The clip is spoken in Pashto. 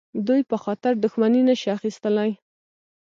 دوی په خاطر دښمني نه شي اخیستلای.